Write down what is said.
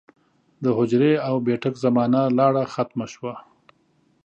د حجرې او بېټک زمانه لاړه ختمه شوه